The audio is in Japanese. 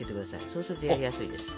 そうするとやりやすいです。